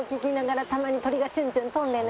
たまに鳥がチュンチュン飛んでね。